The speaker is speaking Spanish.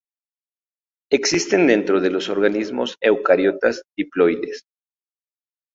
Existen dentro de los organismos eucariotas diploides.